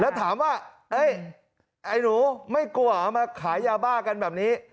แล้วถามว่าไอ้หนูไม่กลัวเหรอมาขายยาบ้ากันแบบนี้